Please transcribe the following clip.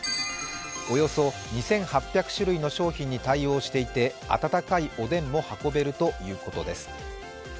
およそ２８００種類の商品に対応していて温かいおでんも運べるということです。